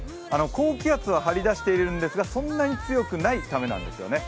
高気圧は張りだしているんですが、そんなに強くないためなんですよね。